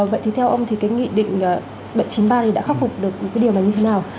vậy thì theo ông thì cái nghị định bệnh chín mươi ba này đã khắc phục được cái điều này như thế nào